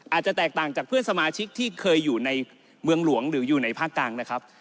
อาจจะแตกต่างจากเพื่อนสมาชิกที่เคยอยู่ในเมืองหลวงหรืออยู่ในภาคกลางนะครับ